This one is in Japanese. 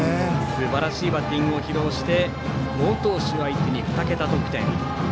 すばらしいバッティングを披露して、好投手相手に２桁得点。